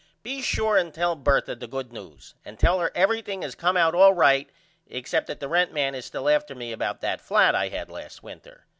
Be sure and tell Bertha the good news and tell her everything has came out all right except that the rent man is still after me about that flat I had last winter.